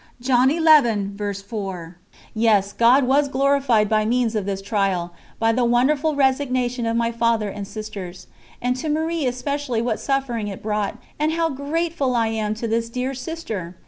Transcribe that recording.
" Yes, God was glorified by means of this trial, by the wonderful resignation of my Father and sisters. And to Marie especially what suffering it brought, and how grateful I am to this dear sister!